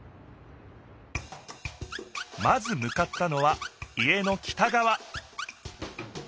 まずむかったのは家の北がわ